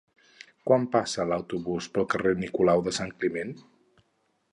Quan passa l'autobús pel carrer Nicolau de Sant Climent?